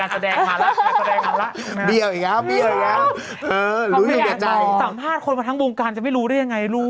สัมภาษณ์คนมาทั้งวงการจะไม่รู้ได้ยังไงรู้